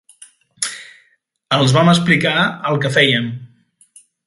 Els vam explicar el que fèiem